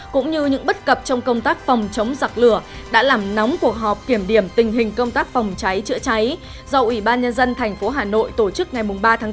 cũng như những bất cập trong công tác phòng chống giặc lửa đã làm nóng cuộc họp kiểm điểm tình hình công tác phòng cháy chữa cháy do ủy ban nhân dân thành phố hà nội tổ chức ngày ba tháng bốn